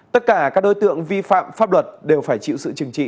tất cả các đối tượng vi phạm pháp luật đều phải chịu sự trừng trị